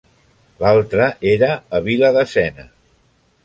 L'altra era a Vila de Sena.